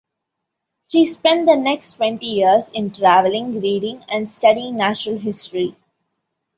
She spent the next twenty years in traveling, reading and studying natural history.